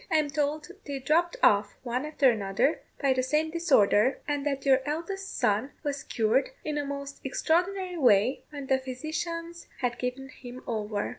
I am told they dropped off, one after another, by the same disorder, and that your eldest son was cured in a most extraordinary way, when the physicians had given him over."